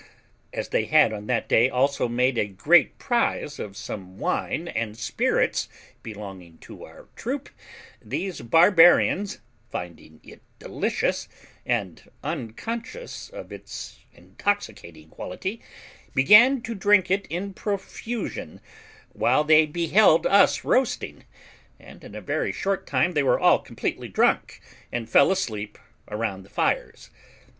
As they had on that day also made a great prize of some wine and spirits belonging to our troop, these barbarians, finding it delicious, and unconscious of its intoxicating quality, began to drink it in profusion, while they beheld us roasting, and in a very short time they were all completely drunk, and fell asleep around the fires.